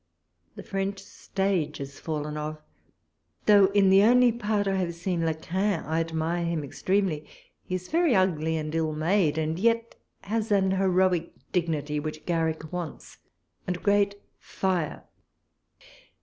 The French stage is fallen oft", though in the only part I have seen Le Kain I admire him extremely. He is very ugly and ill made, and yet has an heroic dignity which Garrick wants, and great fire.